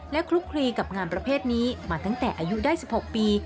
คลุกคลีกับงานประเภทนี้มาตั้งแต่อายุได้๑๖ปี